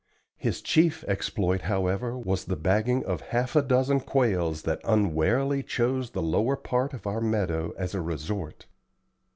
His chief exploit however was the bagging of half a dozen quails that unwarily chose the lower part of our meadow as a resort.